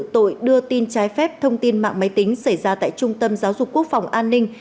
tội đưa tin trái phép thông tin mạng máy tính xảy ra tại trung tâm giáo dục quốc phòng an ninh